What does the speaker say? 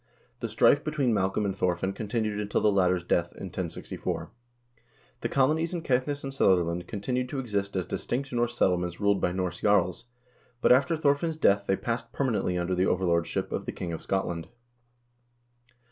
The strife between Malcolm and Thorfinn continued until the latter's death in 1064. The colonies in Caithness and Sutherland continued to exist as distinct Norse settlements ruled by Norse jarls, but after Thorfinn's death they passed permanently under the overlordship of the king of Scotland.